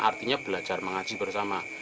artinya belajar mengaji bersama